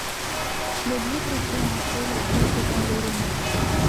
Le livre fait entrer le peuple dans le roman.